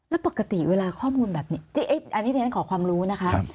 แล้วปกติเวลาข้อมูลแบบนี้อันนี้ที่ฉันขอความรู้นะคะ